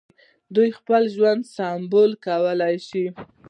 دوی خپل ژوند سمبال کولای شي.